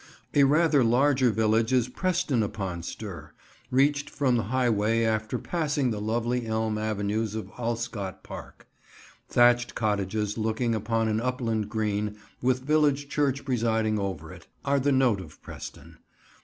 A rather larger village is Preston upon Stour, reached from the highway after passing the lovely elm avenues of Alscot Park. Thatched cottages looking upon an upland green, with village church presiding over it, are the note of Preston.